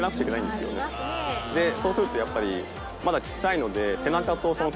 そうするとやっぱりまだちっちゃいので。